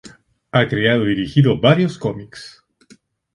Ha creado y dirigido varios comics.